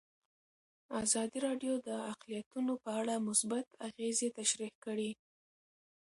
ازادي راډیو د اقلیتونه په اړه مثبت اغېزې تشریح کړي.